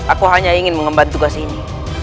aku hanya ingin mengemban tugas ini